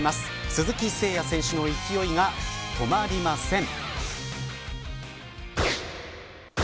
鈴木誠也選手の勢いが止まりません。